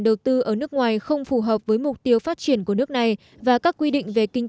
đầu tư ở nước ngoài không phù hợp với mục tiêu phát triển của nước này và các quy định về kinh